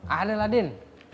ada lah din